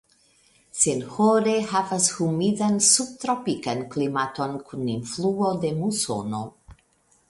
Sehore havas humidan subtropikan klimaton kun influo de musono.